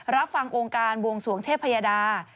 รับฟังองค์การบวงสวงเทพยดา